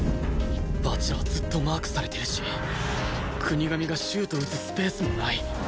蜂楽はずっとマークされてるし國神がシュート撃つスペースもない